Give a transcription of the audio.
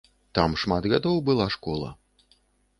Там шмат гадоў была школа.